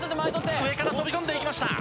上から跳び込んでいきました。